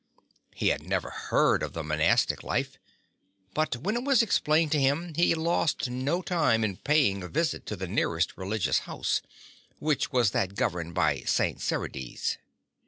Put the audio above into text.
He had never even heard of the monastic life; but when it was explained to him he lost no time in paying a visit to the nearest religious house, which was that governed by St. Serides.